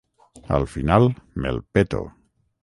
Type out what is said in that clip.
Al final me'l peto.